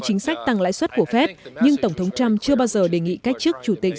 chính sách tăng lãi suất của phép nhưng tổng thống trump chưa bao giờ đề nghị cách chức chủ tịch